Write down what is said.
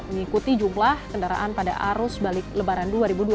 mengikuti jumlah kendaraan pada arus balik lebaran dua ribu dua puluh